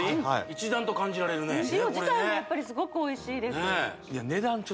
一段と感じられるね塩自体もやっぱりすごくおいしいですよ